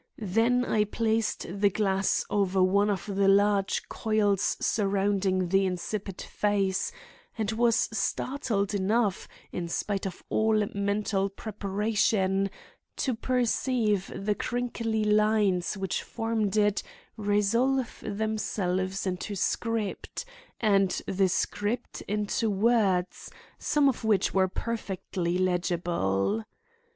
Then I placed the glass over one of the large coils surrounding the insipid face, and was startled enough, in spite of all mental preparation, to perceive the crinkly lines which formed it, resolve themselves into script and the script into words, some of which were perfectly legible.